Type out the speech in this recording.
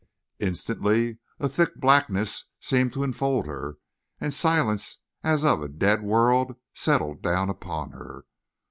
Instantly a thick blackness seemed to enfold her and silence as of a dead world settled down upon her.